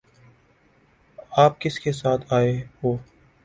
آپ کس کے ساتھ آئے ہو؟